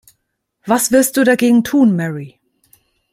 Was wirst Du dagegen tun, Mary?